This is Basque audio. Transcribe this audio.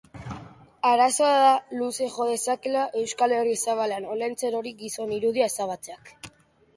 Arazoa da luze jo dezakeela Euskal Herri zabalean Olentzerori gizon irudia ezabatzeak